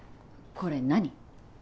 これ何？